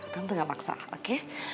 tante gak maksa oke